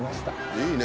いいね。